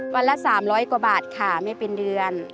วันละ๓๐๐กว่าบาทค่ะไม่เป็นเดือน